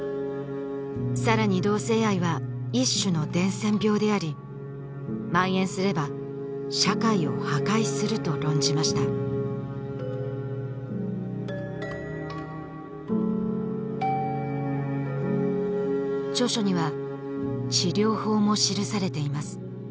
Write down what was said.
さらに同性愛は一種の伝染病でありまん延すれば社会を破壊すると論じました著書には治療法も記されています